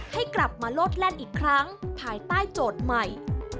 ให้กลับมาโลดแล่นอีกครั้งภายใต้โจทย์ใหม่